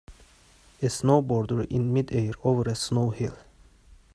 A snowboarder in midair over a snow hill.